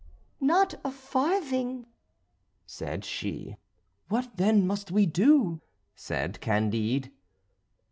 "Not a farthing," said she. "What then must we do?" said Candide.